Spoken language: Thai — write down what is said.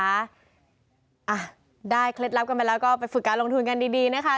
อ่ะได้เคล็ดลับกันไปแล้วก็ไปฝึกการลงทุนกันดีดีนะคะ